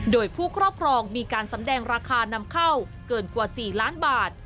โดยผู้ครอบครองมีการสำแดงราคานำเข้าเกินกว่า๔ล้านบาท